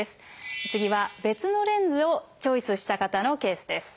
次は別のレンズをチョイスした方のケースです。